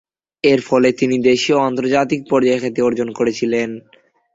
এর ফলে তিনি দেশীয় ও আন্তর্জাতিক পর্যায়ে খ্যাতি অর্জন করেছিলেন।